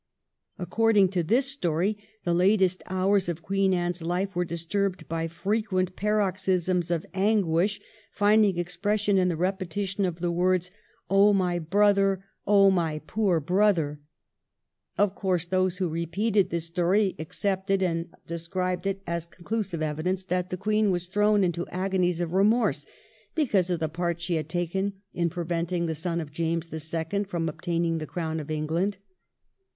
According to this story, the latest hours of the Queen's life were disturbed by frequent paroxysms of anguish finding expression in the repetition of 1714 A DEAMATIC STORY. 377 the words ' Oh, my brother — oh, my poor brother !' Of course those who repeated this story accepted and described it as conclusive evidence that the Queen was thrown into agonies of remorse because of the part she had taken in preventing the son of James the Second from obtaining the Grown of England.